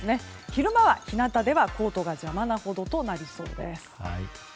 昼間は日なたでは、コートが邪魔なほどとなりそうです。